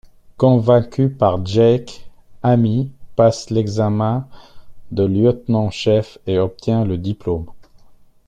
Convaincue par Jake, Amy passe l'examen de lieutenant-chef et obtient le diplôme.